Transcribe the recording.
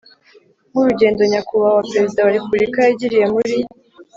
nk urugendo Nyakubahwa Perezida wa Repubulika yagiriye muri